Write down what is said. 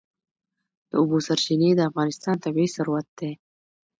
د اوبو سرچینې د افغانستان طبعي ثروت دی.